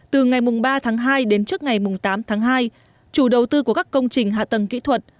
từ ngày ba tháng hai đến trước ngày tám tháng hai chủ đầu tư của các công trình hạ tầng kỹ thuật